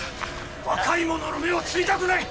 若い者の芽を摘みたくない！